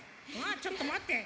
ちょっとまって。